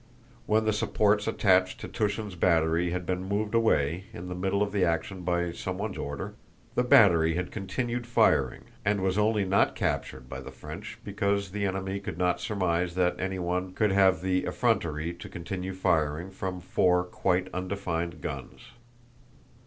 When the supports attached to Túshin's battery had been moved away in the middle of the action by someone's order, the battery had continued firing and was only not captured by the French because the enemy could not surmise that anyone could have the effrontery to continue firing from four quite undefended guns.